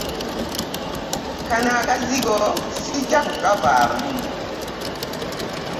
Kano akazigo ssijja kukavaamu.